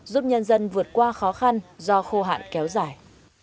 giúp nhân dân vượt qua khó khăn do khô hạn kéo dài